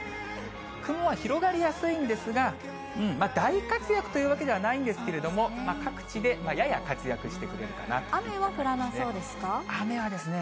雲は広がりやすいんですが、大活躍というわけではないんですけれども、各地でやや活躍してくれるかなといった感じですね。